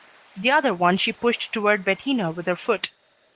The other one she pushed toward Bettina with her foot.